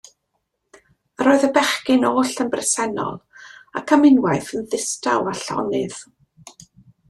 Yr oedd y bechgyn oll yn bresennol, ac am unwaith yn ddistaw a llonydd.